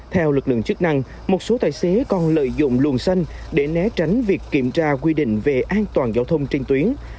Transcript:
theo lực lượng chức năng một số tài xế còn lợi dụng luồng xanh để né tránh việc kiểm tra quy định về an toàn giao thông trên tuyến